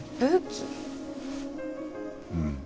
うん。